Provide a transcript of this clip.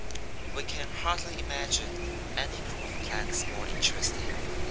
We can hardly imagine any group of plants more interesting.